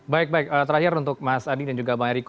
baik baik terakhir untuk mas adi dan juga bang eriko